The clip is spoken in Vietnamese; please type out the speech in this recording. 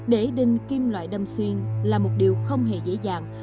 để đinh kim loại đâm xuyên là một điều không hề dễ dàng